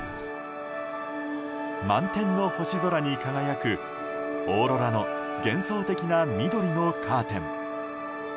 満天の星空に輝くオーロラの幻想的な緑のカーテン。